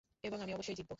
এবং আমি অবশ্যই জিতব।